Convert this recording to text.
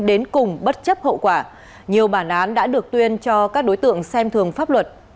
đến cùng bất chấp hậu quả nhiều bản án đã được tuyên cho các đối tượng xem thường pháp luật